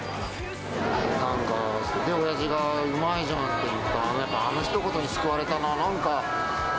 なんか、おやじがうまいじゃんと言った、あのひと言に救われたな。